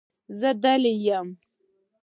زه دلې یم.